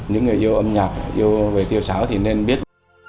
những người yêu âm nhạc yêu về tiêu sáo thì nên biết